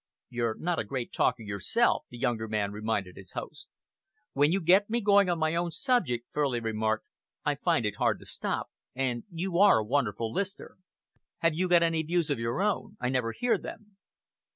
"You're not a great talker yourself," the younger man reminded his host. "When you get me going on my own subject," Furley remarked, "I find it hard to stop, and you are a wonderful listener. Have you got any views of your own? I never hear them."